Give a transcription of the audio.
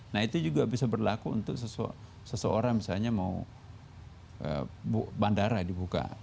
nah itu juga bisa berlaku untuk seseorang misalnya mau bandara dibuka